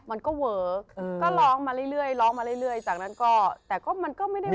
มันก็เวิร์คก็ร้องมาเรื่อยจากนั้นก็แต่ก็มันก็ไม่ได้ว่าไหน